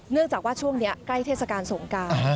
เนื่องจากว่าช่วงนี้ใกล้เทศกาลสงกราศ